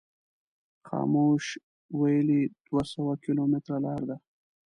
خاموش ویلي دوه سوه کیلومتره لار ده.